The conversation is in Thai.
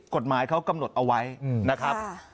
กฎหมายเขากำหนดเอาไว้นะครับ